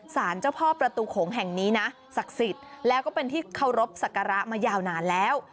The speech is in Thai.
สารเจ้าพ่อประตูโขงแห่งนี้นะศักดิ์สิทธิ์แล้วก็เป็นที่เคารพสักการะมายาวนานแล้ว